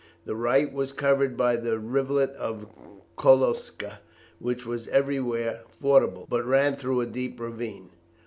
The right was covered by the rivulet of Kolocza, which was everywhere fordable, but ran through a deep ravine.